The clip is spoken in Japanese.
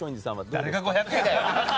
誰が５００位だよ！